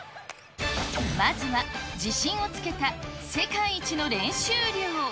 まずは自信をつけた世界一の練習量。